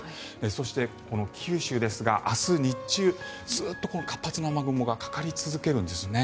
そして、九州ですが明日日中、ずっと活発な雨雲がかかり続けるんですね。